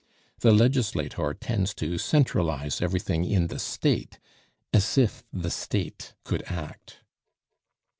The legislator tends to centralize everything in the State, as if the State could act.